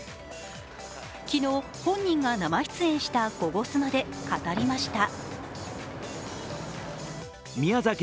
昨日、本人が生出演した「ゴゴスマ」で語りました。